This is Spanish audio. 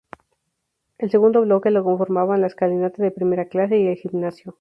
El segundo bloque lo conformaban la escalinata de primera clase y el gimnasio.